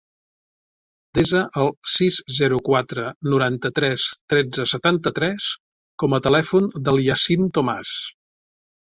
Desa el sis, zero, quatre, noranta-tres, tretze, setanta-tres com a telèfon del Yassine Tomas.